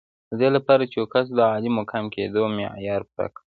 د دې لپاره چې یو کس د عالي مقام کېدو معیار پوره کړي.